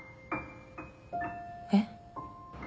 えっ？